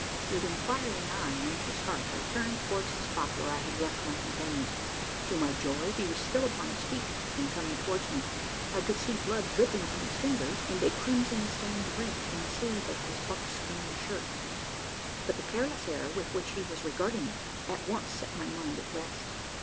With inquiring eye and anxious heart, I turned towards the spot where I had left my companion. To my joy, he was still upon his feet, and coming towards me. I could see blood dripping from his fingers, and a crimson stained rent in the sleeve of his buckskin shirt; but the careless air with which he was regarding it, at once set my mind at rest.